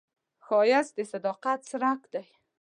ښایست د صداقت څرک دی